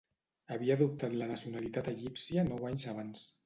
Havia adoptat la nacionalitat egípcia nou anys abans.